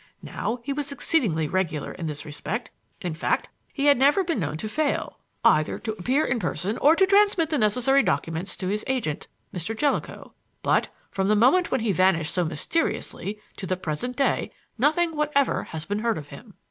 Now, he was exceedingly regular in this respect; in fact, he had never been known to fail, either to appear in person or to transmit the necessary documents to his agent, Mr. Jellicoe. But from the moment when he vanished so mysteriously to the present day, nothing whatever has been heard of him."